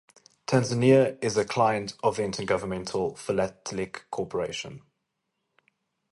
Tanzania is a client of the Inter-Governmental Philatelic Corporation.